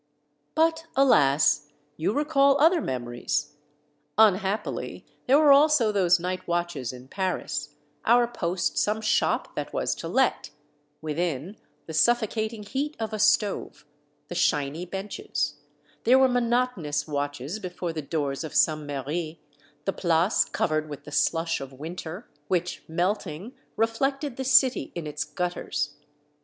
But alas ! you recall other memories ! Unhappily there were also those night watches in Paris, our post some shop that was to let; within, the suffocating heat of a stove, the shiny benches; there were monotonous watches before the doors of some mairiey the Place covered with the slush of winter, which, melting, reflected the city in its gutters.